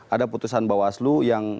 ada putusan bawaslu yang